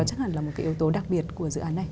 chắc hẳn là một cái yếu tố đặc biệt của dự án này